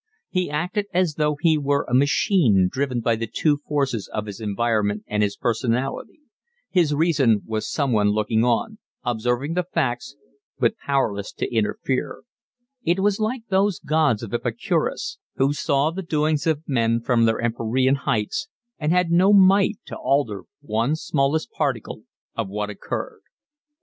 He acted as though he were a machine driven by the two forces of his environment and his personality; his reason was someone looking on, observing the facts but powerless to interfere: it was like those gods of Epicurus, who saw the doings of men from their empyrean heights and had no might to alter one smallest particle of what occurred.